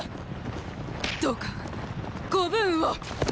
どうかご武運を！